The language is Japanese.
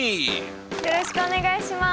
よろしくお願いします。